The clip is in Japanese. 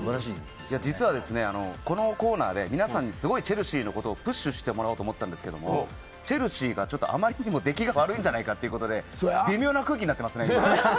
実はこのコーナーで皆さんにすごいチェルシーのことをプッシュしてもらおうと思ったんですけれど、チェルシーがあまりにもできが悪いんじゃないかということで、微妙な空気になってますよね。